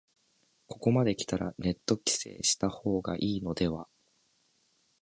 ここまできたらネット規制した方がいいのでは